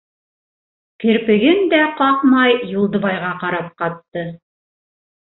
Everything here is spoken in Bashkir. Керпеген дә ҡаҡмай, Юлдыбайға ҡарап ҡатты.